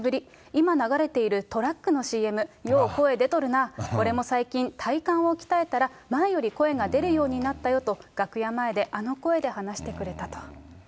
今流れているトラックのＣＭ、よう声出とるな、俺も最近、体幹を鍛えたら、前より声が出るようになったよと、楽屋前であの声で話してくれたと。